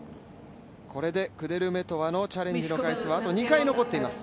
これでクデルメトワのチャレンジの回数はあと２回残っています。